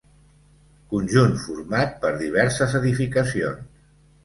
Conjunt format per diverses edificacions.